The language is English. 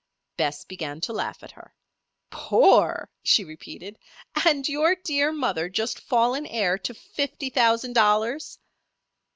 Bess began to laugh at her. "Poor?" she repeated. "And your dear mother just fallen heir to fifty thousand dollars?"